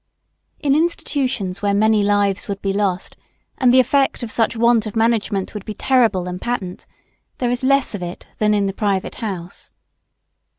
In institutions where many lives would be lost and the effect of such want of management would be terrible and patent, there is less of it than in the private house.